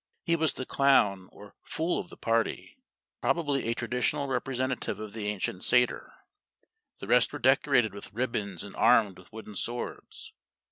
He was the clown, or fool of the party, probably a traditional representative of the ancient satyr. The rest were decorated with ribbons and armed with wooden swords.